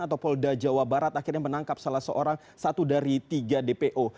atau polda jawa barat akhirnya menangkap salah seorang satu dari tiga dpo